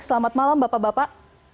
selamat malam bapak bapak